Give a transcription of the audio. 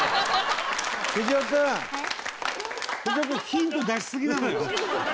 ふじお君ヒント出しすぎなのよ。